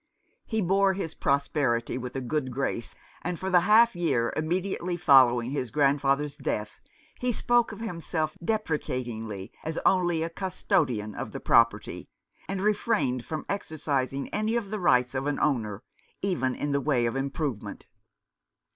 He bore his prosperity with a good grace, and for the half year immediately following his grand father's death he spoke of himself deprecatingly as only a custodian of the property, and refrained from exercising any of the rights of an owner, even in the way of improvement.